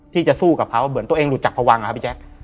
ที่จะสู้กับเขาเหมือนตัวเองรู้จักพวังอะครับพี่แจ๊ค